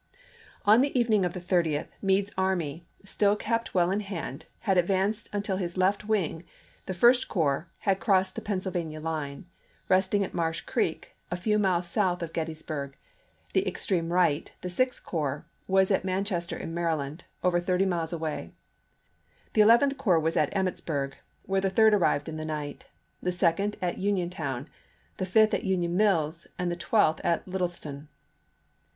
On the evening of the 30th, Meade's army, still kept well in hand, had advanced until his left wing, the First Corps, had crossed the Pennsylvania line, resting at Marsh Creek a few miles south of Gettys burg; the extreme right, the Sixth Corps, was at Manchester in Maryland, over thirty miles away ; the Eleventh Corps was at Emmitsburg, where the Third arrived in the night, the Second at Union town, the Fifth at Union Mills, and the Twelfth at Littlestown.